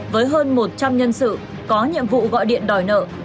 với hơn một trăm linh nhân sự có nhiệm vụ gọi điện đòi nợ